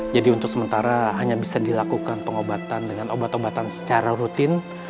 jadi untuk sementara hanya bisa dilakukan pengobatan dengan obat obatan secara rutin